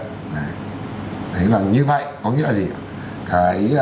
thế là như vậy có nghĩa là gì